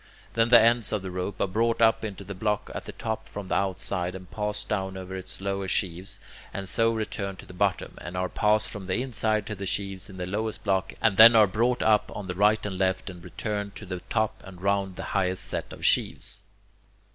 Then the ends of the rope are brought up into the block at the top from the outside, and passed down over its lower sheaves, and so return to the bottom, and are passed from the inside to the sheaves in the lowest block, and then are brought up on the right and left, and return to the top and round the highest set of sheaves.